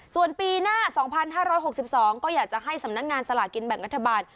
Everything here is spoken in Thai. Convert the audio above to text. ส่วนปีหน้า๒๕๖๒ก็อยากจะให้สำนักงานสลากินแบ่งรัฐบาล